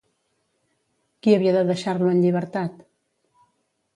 Qui havia de deixar Io en llibertat?